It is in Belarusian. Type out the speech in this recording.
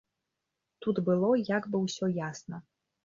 Тут было як бы ўсё ясна.